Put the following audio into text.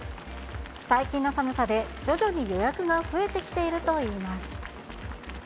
最近の寒さで徐々に予約が増えてきているといいます。